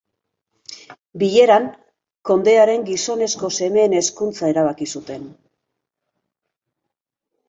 Bileran, kondearen gizonezko semeen hezkuntza erabaki zuten.